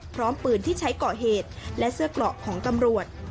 พร้อมปืนที่ใช้ก่อเหตุและเสื้อเกราะของตำรวจ